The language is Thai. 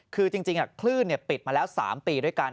คือจริงคลื่นปิดมาแล้ว๓ปีด้วยกัน